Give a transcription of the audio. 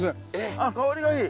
あっ香りがいい。